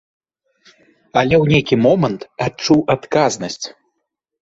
Але ў нейкі момант адчуў адказнасць.